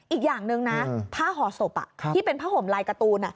อีกอย่างหนึ่งนะผ้าห่อศพที่เป็นผ้าห่มลายการ์ตูน